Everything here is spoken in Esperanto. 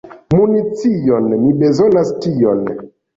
Municion! Mi bezonas tion.